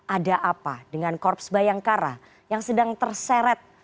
ada apa dengan korps bayangkara yang sedang terseret